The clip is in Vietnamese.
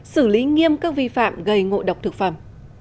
xử lý nghiêm các vi phạm gây ngộ độc thực phẩm